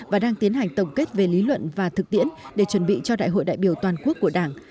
và đang tiến hành tổng kết về lý luận và thực tiễn để chuẩn bị cho đại hội đại biểu toàn quốc của đảng